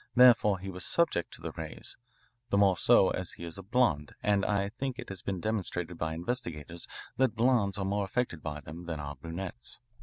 Therefore he was subject to the rays the more so as he is a blond, and I think it has been demonstrated by investigators that blonds are more affected by them than are brunettes.